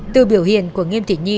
từ biểu hiện của nhiêm thị nhi